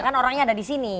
kan orangnya ada di sini